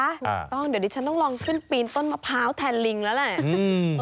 ถูกต้องเดี๋ยวดิฉันต้องลองขึ้นปีนต้นมะพร้าวแทนลิงแล้วแหละ